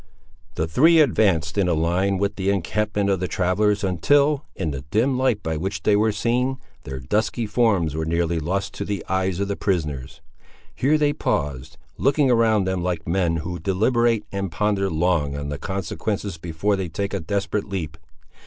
The three advanced in a line with the encampment of the travellers, until, in the dim light by which they were seen, their dusky forms were nearly lost to the eyes of the prisoners. Here they paused, looking around them like men who deliberate and ponder long on the consequences before they take a desperate leap.